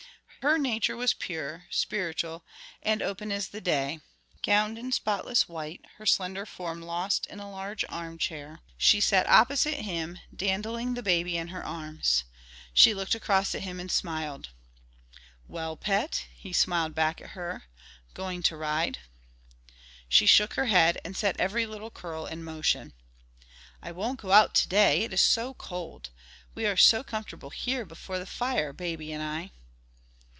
Her nature was pure, spiritual, and open as the day. Gowned in spotless white, her slender form lost in a large armchair, she sat opposite him, dandling the baby in her arms. She looked across at him and smiled. "Well, pet," he smiled back at her, "going to ride?" She shook her head and set every little curl in motion. "I won't go out today, it is so cold; we are so comfortable here before the fire, baby and I."